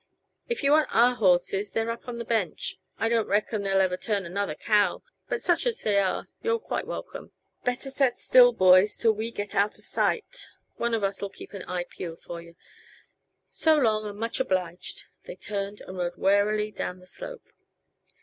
"If yuh want our horses, they're up on the bench. I don't reckon they'll ever turn another cow, but such as they are you're quite welcome. Better set still, boys, till we get out uh sight; one of us'll keep an eye peeled for yuh. So long, and much obliged." They turned and rode warily down the slope.